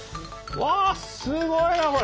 わすごいなこれ！